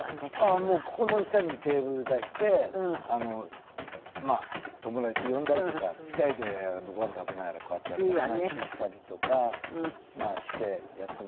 ああもうここの下にテーブル出してまあ友達呼んだりとか２人でごはん食べながらこうやって話したりとかしてやってます。